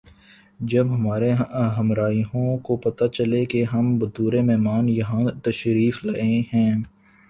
جب ہمارے ہمراہیوں کو پتہ چلا کہ ہم بطور مہمان یہاں تشریف لائے ہیں